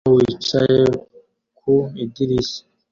Umugabo wicaye ku idirishya